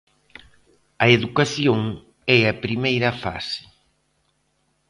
A educación é a primeira fase.